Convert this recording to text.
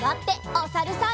おさるさん。